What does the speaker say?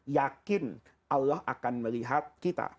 yakin allah akan melihat kita